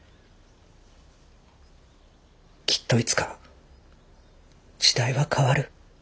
きっといつか時代は変わる。